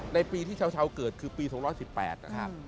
ในปีที่ชาวเกิดคือปี๒๑๘นะครับ